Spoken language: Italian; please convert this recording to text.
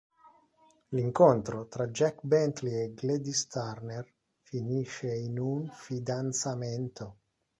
L'incontro tra Jack Bentley e Gladys Turner finisce in un fidanzamento.